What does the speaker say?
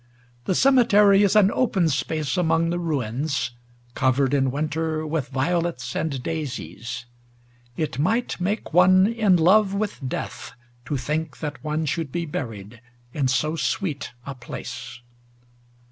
The cemetery is an So8 ADONAIS open space among the ruins, covered in winter with violets and daisies. It might make one in love with death to think that one should be buried in so sweet a place.